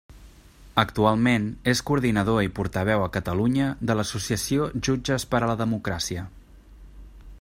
Actualment és coordinador i portaveu a Catalunya de l'associació Jutges per a la Democràcia.